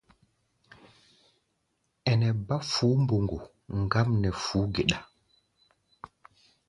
Ɛnɛ bá fuú-mboŋgo ŋgám nɛ fuú-geɗa.